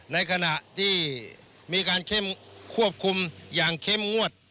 ในขณะที่มีการเข้มควบคุมอย่างเข้มงวด